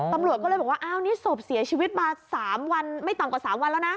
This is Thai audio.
ตำรวจก็เลยบอกว่าอ้าวนี่ศพเสียชีวิตมา๓วันไม่ต่ำกว่า๓วันแล้วนะ